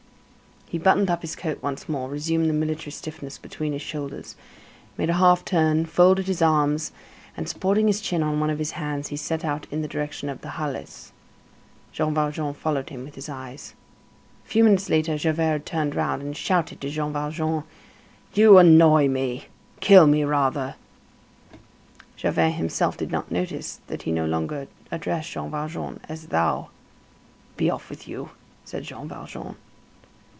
He buttoned up his coat once more, resumed the military stiffness between his shoulders, made a half turn, folded his arms and, supporting his chin on one of his hands, he set out in the direction of the Halles. Jean Valjean followed him with his eyes: A few minutes later, Javert turned round and shouted to Jean Valjean: "You annoy me. Kill me, rather." Javert himself did not notice that he no longer addressed Jean Valjean as "thou." "Be off with you," said Jean Valjean.